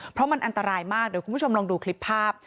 เพราะมันอันตรายมากเดี๋ยวคุณผู้ชมลองดูคลิปภาพ